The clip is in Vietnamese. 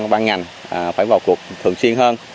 ban ngành phải vào cuộc thường xuyên hơn